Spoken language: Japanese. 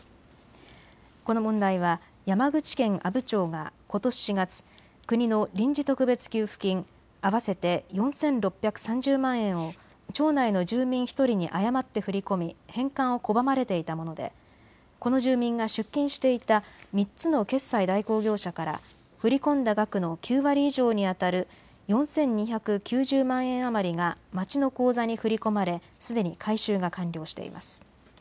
この問題は山口県阿武町がことし４月、国の臨時特別給付金合わせて４６３０万円を町内の住民１人に誤って振り込み返還を拒まれていたものでこの住民が出金していた３つの決済代行業者から振り込んだ額の９割以上にあたる４２９０万円余りが町の口座に振り込まれすでに回収が完了しています。